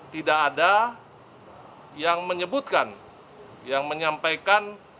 tidak ada yang menyebutkan yang menyampaikan